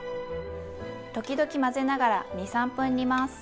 ときどき混ぜながら２３分煮ます。